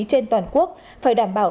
trên toàn quốc phải đảm bảo